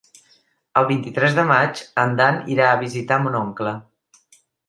El vint-i-tres de maig en Dan irà a visitar mon oncle.